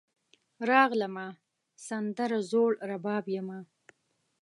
راغلمه , سندره زوړرباب یمه